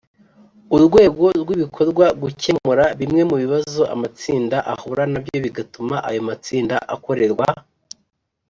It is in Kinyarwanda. Urwego rw ibikorwa gukemura bimwe mu bibazo amatsinda ahura na byo bigatuma ayo matsinda akorerwa